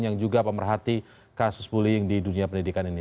yang juga pemerhati kasus bullying di dunia pendidikan ini